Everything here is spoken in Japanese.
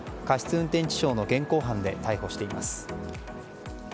運転致傷の現行犯で逮捕しています。